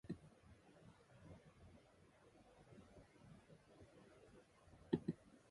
It is a collaboration of Spare Change News and the Worcester Homeless Action Committee.